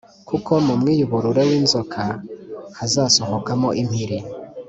kuko mu mwiyuburure w’inzoka hazasohokamo impiri,